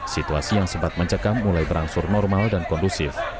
situasi yang sempat mencekam mulai berangsur normal dan kondusif